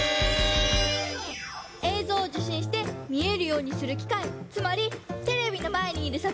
えいぞうをじゅしんしてみえるようにするきかいつまりテレビのまえにいるそこのきみ！